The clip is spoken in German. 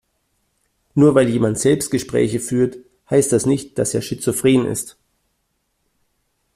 Nur weil jemand Selbstgespräche führt, heißt das nicht, dass er schizophren ist.